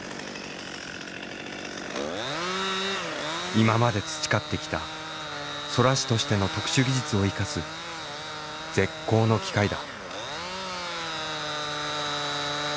今まで培ってきた空師としての特殊技術を生かす絶好の機会だ。